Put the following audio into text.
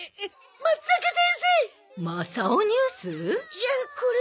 いやこれは。